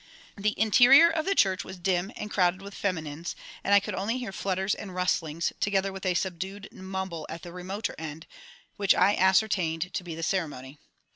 The interior of the church was dim and crowded with feminines, and I could only hear flutters and rustlings, together with a subdued mumble at the remoter end which I ascertained to be the ceremony.